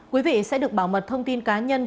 quý vị sẽ được bảo mật thông tin cá nhân